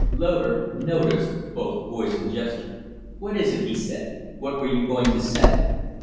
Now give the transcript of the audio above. Loder noticed both voice and gesture. "What is it?" he said. "What were you going to say?"